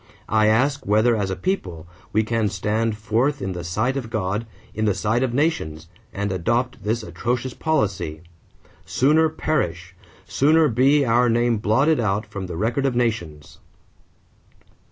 I ask whether as a people we can stand forth in the sight of God, in the sight of nations, and adopt this atrocious policy? Sooner perish! Sooner be our name blotted out from the record of nations!"